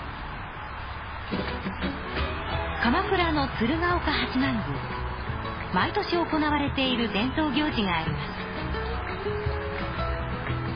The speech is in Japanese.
鎌倉の毎年行われている伝統行事があります。